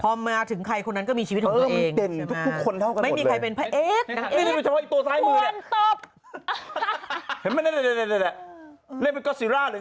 พอมาถึงใครคนนั้นก็มีชีวิตของกันเอง